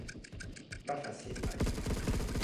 不乏先例